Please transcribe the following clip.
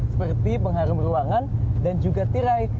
seperti pengharum ruangan dan juga tirai